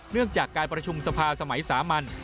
เรื่องจากการประชุมสภาสมัยสามัญ